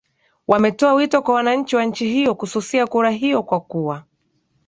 wametoa wito kwa wananchi wa nchi hiyo kususia kura hiyo kwa kuwa